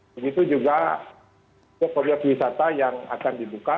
begitu juga obyek wisata yang akan dibuka